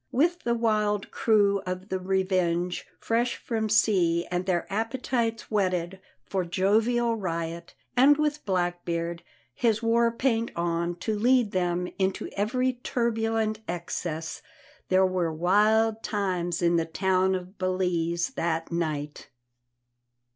With the wild crew of the Revenge, fresh from sea and their appetites whetted for jovial riot, and with Blackbeard, his war paint on, to lead them into every turbulent excess, there were wild times in the town of Belize that night.